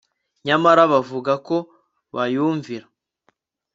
nyamara bavuga ko bayumvira